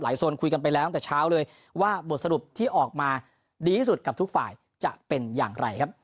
โซนคุยกันไปแล้วตั้งแต่เช้าเลยว่าบทสรุปที่ออกมาดีที่สุดกับทุกฝ่ายจะเป็นอย่างไรครับ